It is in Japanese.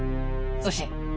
そして。